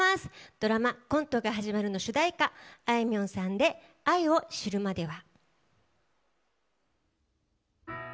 ドラマ、コントが始まるの主題歌、あいみょんさんで愛を知るまでは。